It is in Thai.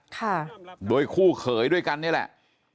ให้คู่เขยด้วยกันนี่แหละ